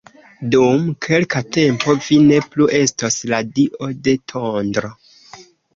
Dum kelka tempo vi ne plu estos la Dio de Tondro!